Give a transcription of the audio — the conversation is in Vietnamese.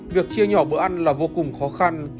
việc chia nhỏ bữa ăn là vô cùng khó khăn